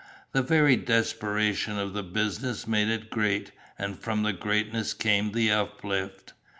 The very desperation of the business made it great, and from the greatness came the uplift.